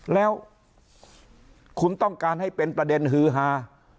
แล้วคุณต้องการให้เป็นประเด็นฮือฮา